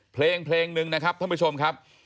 เพลงเพลงหนึ่งนะครับท่านผู้ชมครับ